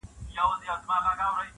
نوح ته ولاړم تر توپانه -